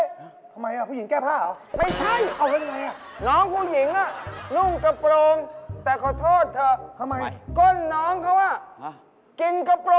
ทำไมหายผู้หญิงแก้ผ้าเหรอ